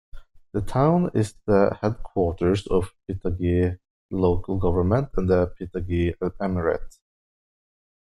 The town is the headquarters of Patigi Local Government and the Patigi Emirate.